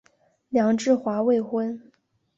梁质华未婚。